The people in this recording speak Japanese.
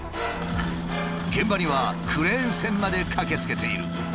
現場にはクレーン船まで駆けつけている。